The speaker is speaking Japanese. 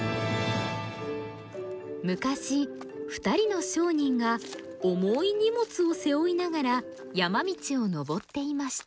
昔二人の商人が重い荷物を背負いながら山道を登っていました。